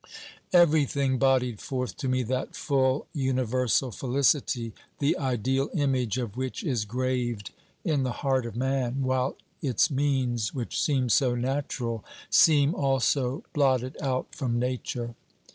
Everything bodied forth to me that full, universal felicity, the ideal image of which is graved in the heart of man, while its means, which seem so natural, seem also blotted out from Nature.